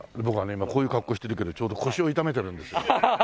今こういう格好してるけどちょうど腰を痛めてるんですよ。